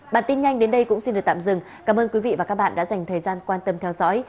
bản tin nhanh đến đây cũng xin được tạm dừng cảm ơn quý vị và các bạn đã dành thời gian quan tâm theo dõi